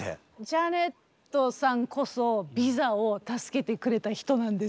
ジャネットさんこそビザを助けてくれた人なんです。